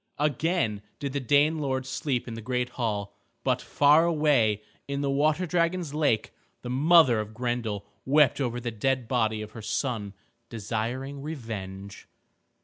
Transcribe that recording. Again did the Dane lords sleep in the great hall, but far away in the water dragons' lake the mother of Grendel wept over the dead body of her son, desiring revenge.